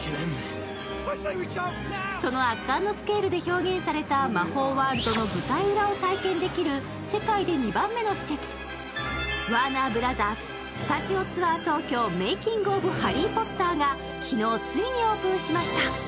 その圧巻のスケールで表現された魔法ワールドの舞台裏を体験できる世界で２番目の施設、ワーナーブラザーススタジオツアー東京−メイキング・オブ・ハリー・ポッターが昨日、ついにオープンしました。